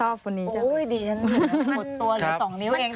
ชอบคนนี้จริงโอ้ยดีจริงหัวหัดตัวหรือสองนิ้วเอง